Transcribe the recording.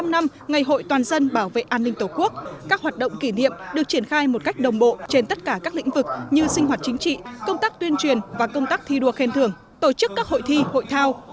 một mươi năm năm ngày hội toàn dân bảo vệ an ninh tổ quốc các hoạt động kỷ niệm được triển khai một cách đồng bộ trên tất cả các lĩnh vực như sinh hoạt chính trị công tác tuyên truyền và công tác thi đua khen thưởng tổ chức các hội thi hội thao